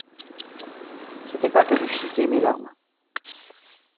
C’était pas que du chiqué, mes larmes.